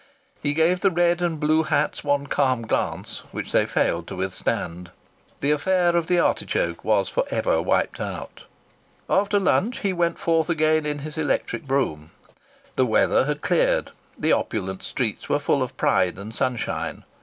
He gave the red and the blue hats one calm glance, which they failed to withstand. The affair of the artichoke was for ever wiped out. After lunch he went forth again in his electric brougham. The weather had cleared. The opulent streets were full of pride and sunshine.